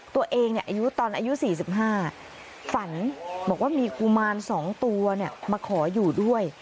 ตัวเองอายุตอนอายุ๔๕ฝันบอกว่ามีกุมาร๒ตัวมาขออยู่ด้วย